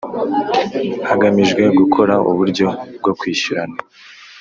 Hagamijwe gukora uburyo bwo kwishyurana.